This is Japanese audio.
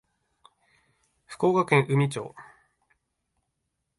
福岡県宇美町